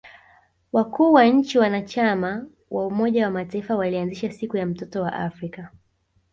Wakuu wa nchi wanachama wa umoja wa mataifa walianzisha siku ya mtoto wa Afrika